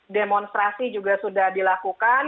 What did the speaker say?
demonstrasi juga sudah dilakukan